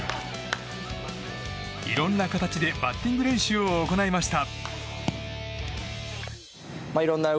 いろんな形でバッティング練習を行いました。